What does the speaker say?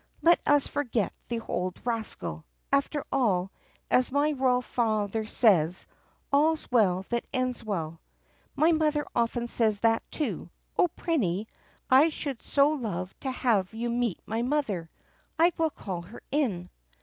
"Let us forget the old rascal. After all, as my royal father says, all 's well that ends well." "My mother often says that too. Oh, Prinny, I should so love to have you meet my mother. I will call her in."